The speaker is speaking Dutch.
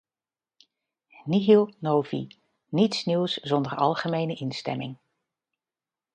Nihil novi - niets nieuws zonder algemene instemming.